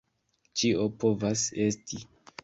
Ĉio povas esti!